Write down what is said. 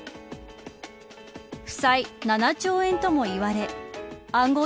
負債７兆円ともいわれ暗号